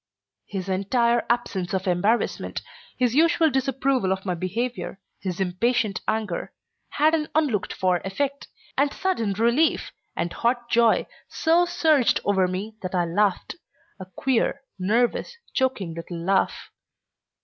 His entire absence of embarrassment, his usual disapproval of my behavior, his impatient anger, had an unlooked for effect, and sudden relief and hot joy so surged over me that I laughed, a queer, nervous, choking little laugh.